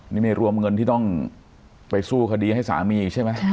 นี่ไม่รวมเงินที่ต้องไปสู้คดีให้สามีอีกใช่ไหม